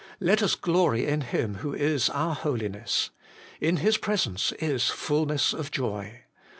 Let us glory in Him who is our holiness : in His presence is fulness of joy.